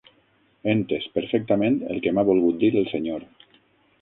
He entès perfectament el que m'ha volgut dir el senyor.